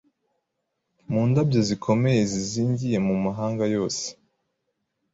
Mu ndabyo zikomeye zizingiye mu mahanga yose